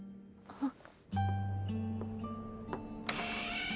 あっ⁉